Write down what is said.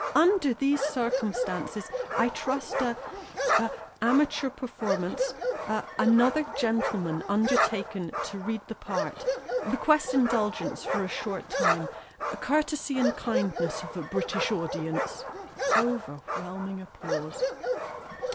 Under these circumstances, I trust a a amateur performance a another gentleman undertaken to read the part request indulgence for a short time courtesy and kindness of a British audience." Overwhelming applause.